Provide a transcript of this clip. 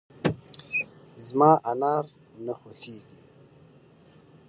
زما انار نه خوښېږي .